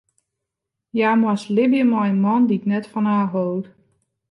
Hja moast libje mei in man dy't net fan har hold.